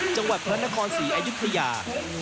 จังหวัดพระนครศรีอยุธยา